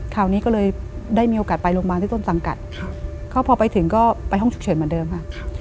คราวนี้ก็เลยได้มีโอกาสไปโรงพยาบาลที่ต้นสังกัดก็พอไปถึงก็ไปห้องฉุกเฉินเหมือนเดิมค่ะ